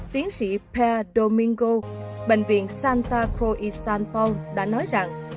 tiến sĩ per domingo bệnh viện santa cruz y san paul đã nói rằng